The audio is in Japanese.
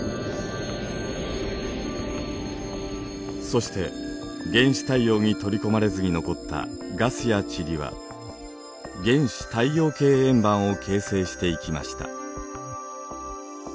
そして原始太陽に取り込まれずに残ったガスや塵は原始太陽系円盤を形成していきました。